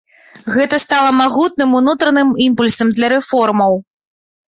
Гэта стала магутным унутраным імпульсам для рэформаў.